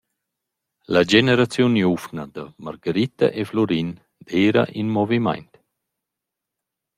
La generaziun giuvna da Margaritta e Flurin d’eira in movimaint.